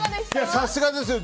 さすがですよ。